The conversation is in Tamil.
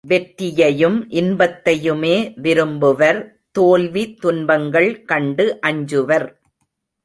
வெற்றியையும் இன்பத்தையுமே விரும்புவர் தோல்வி, துன்பங்கள் கண்டு அஞ்சுவர்.